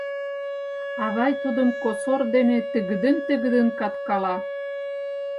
Авай тудым косор дене тыгыдын-тыгыдын каткала.